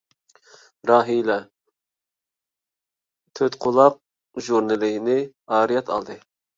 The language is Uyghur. راھىلە «تۆتقۇلاق ژۇرنىلى» نى ئارىيەت ئالدى.